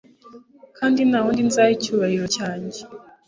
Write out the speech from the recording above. kandi nta wundi nzaha icyubahiro cyanjye